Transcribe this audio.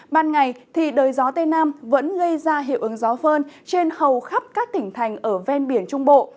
ban ngày thì đời gió tây nam vẫn gây ra hiệu ứng gió phơn trên hầu khắp các tỉnh thành ở ven biển trung bộ